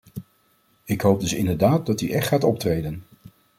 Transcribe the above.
Ik hoop dus inderdaad dat u echt gaat optreden.